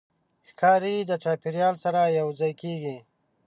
ښکاري د چاپېریال سره یوځای کېږي.